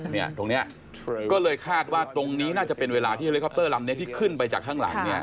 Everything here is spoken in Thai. ตรงนี้ก็เลยคาดว่าตรงนี้น่าจะเป็นเวลาที่เฮลิคอปเตอร์ลำนี้ที่ขึ้นไปจากข้างหลังเนี่ย